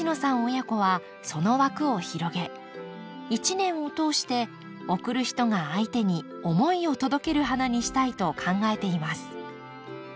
親子はその枠を広げ一年を通して贈る人が相手に思いを届ける花にしたいと考えています。